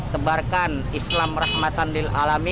terbarkan islam rahmatan dilalami